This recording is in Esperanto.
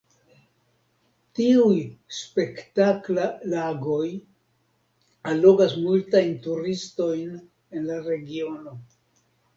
Tiuj spektakla lagoj allogas multajn turistojn en la regiono.